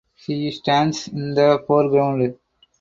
He stands in the foreground.